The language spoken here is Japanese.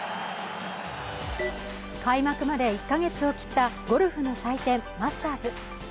開幕まで１カ月を切ったゴルフの祭典マスターズ。